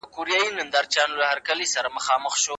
پسرلي صاحب د پښتنو د کلتور او ارزښتونو ساتونکی و.